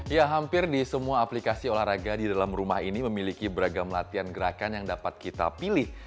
ya hampir di semua aplikasi olahraga di dalam rumah ini memiliki beragam latihan gerakan yang dapat kita pilih